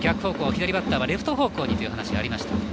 左バッターはレフト方向にというお話がありました。